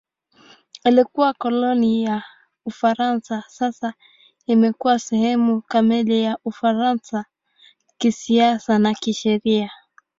Ilikuwa koloni la Ufaransa; sasa imekuwa sehemu kamili ya Ufaransa kisiasa na kisheria.